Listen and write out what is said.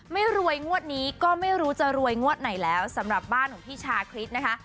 ไม่รวยงวดนี้ก็ไม่รู้จะรวยงวดไหนแล้วสำหรับบ้านของพี่ชาคริสนะคะ